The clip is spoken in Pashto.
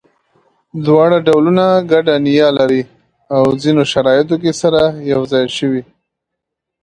دواړه ډولونه ګډه نیا لري او ځینو شرایطو کې سره یو ځای شوي.